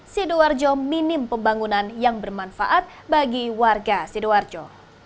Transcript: sidoarjo minim pembangunan yang bermanfaat bagi warga sidoarjo